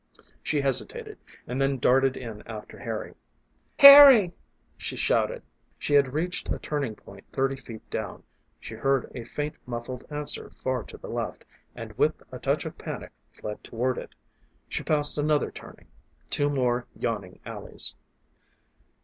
She hesitated and then darted in after Harry. "Harry!" she shouted. She had reached a turning point thirty feet down; she heard a faint muffled answer far to the left, and with a touch of panic fled toward it. She passed another turning, two more yawning alleys.